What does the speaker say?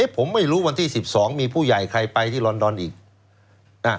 ผมไม่รู้วันที่๑๒มีผู้ใหญ่ใครไปที่ลอนดอนอีก